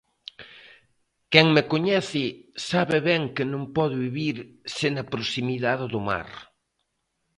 Quen me coñece sabe ben que non podo vivir sen a proximidade do mar.